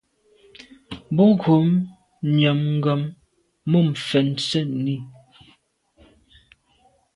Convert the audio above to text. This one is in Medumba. Bo ghom nyàm gham mum fèn sènni.